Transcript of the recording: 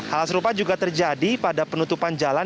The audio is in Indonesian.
hal serupa juga terjadi pada penutupan jalan